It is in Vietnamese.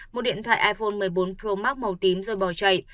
một điện thoại iphone một mươi bốn pro max màu tím rồi bỏ chạy